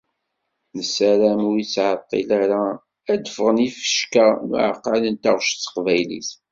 Nessaram ur ttεeṭṭilen ara ad d-ffɣen yifecka n uεqal n taɣect s teqbaylit.